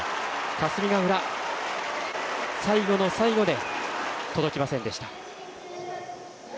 霞ヶ浦、最後の最後で届きませんでした。